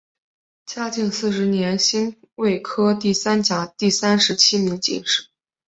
嘉靖四十年辛未科第三甲第三十七名进士。